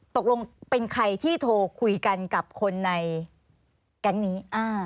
ตกลงเป็นใครที่โทรคุยกันกับคนในแก๊งนี้